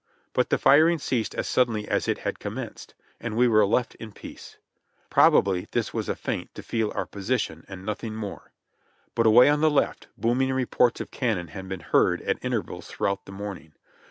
But the firing ceased as suddenly as it had commenced, and we were left in peace. Probably this was a feint to feel our position, and nothing more. But away on the left, booming reports of cannon had been heard at intervals throughout the morning.